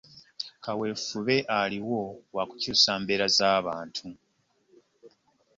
Kaweefube aliwo wa kukyusa mbeera za bantu.